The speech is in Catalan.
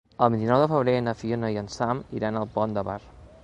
El vint-i-nou de febrer na Fiona i en Sam iran al Pont de Bar.